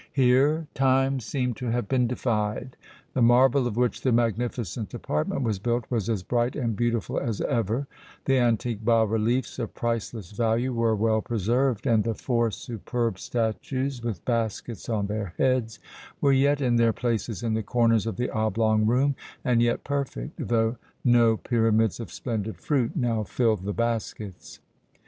Here time seemed to have been defied. The marble of which the magnificent apartment was built was as bright and beautiful as ever, the antique bas reliefs of priceless value were well preserved, and the four superb statues with baskets on their heads were yet in their places in the corners of the oblong room and yet perfect, though no pyramids of splendid fruit now filled the baskets.